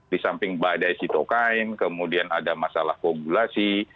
di samping badai sitokain kemudian ada masalah kongulasi